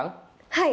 はい。